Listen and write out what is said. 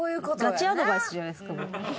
ガチアドバイスじゃないですか。